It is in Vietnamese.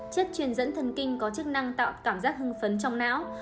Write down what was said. chất truyền dẫn thần kinh có chức năng tạo cảm giác hưng phấn trong não